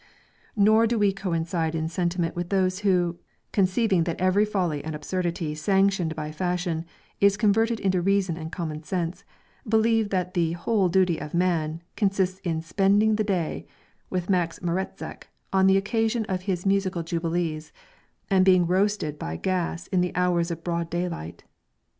Neither do we coincide in sentiment with those who, conceiving that every folly and absurdity sanctioned by fashion, is converted into reason and common sense, believe that "the whole duty of man" consists in spending the day with Max Maretzeck on the occasion of his musical jubilees, and being roasted by gas in the hours of broad day light.